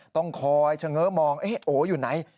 ต้องคอยเฉง้อมองโออยู่ไหน